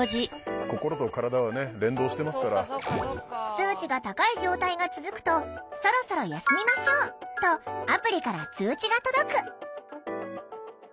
数値が高い状態が続くと「そろそろ休みましょう！」とアプリから通知が届く。